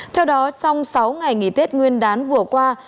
theo đó sau sáu ngày nghỉ tết nguyên đán vừa qua